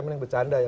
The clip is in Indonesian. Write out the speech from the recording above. mending bercanda ya